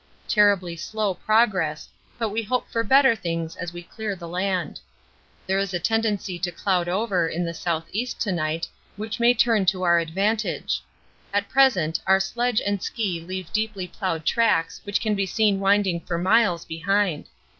Terribly slow progress, but we hope for better things as we clear the land. There is a tendency to cloud over in the S.E. to night, which may turn to our advantage. At present our sledge and ski leave deeply ploughed tracks which can be seen winding for miles behind.